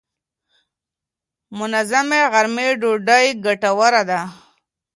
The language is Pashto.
منظم غرمې ډوډۍ ګټوره ده.